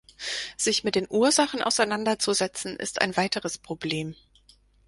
Sich mit den Ursachen auseinander zu setzen, ist ein weiteres Problem.